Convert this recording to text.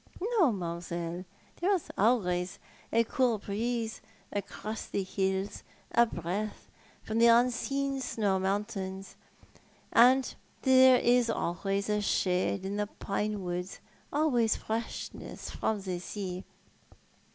" No, mam'selle, there is always a cool breeze across the hills, a breath from the unseen snow mountains, and there is always sliade in the pine woods, always freshness from the sea.